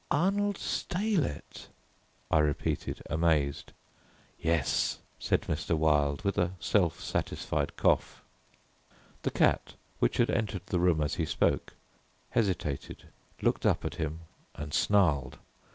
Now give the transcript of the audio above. "Arnold Steylette!" I repeated amazed. "Yes," said Mr. Wilde, with a self satisfied cough. The cat, which had entered the room as he spoke, hesitated, looked up at him and snarled.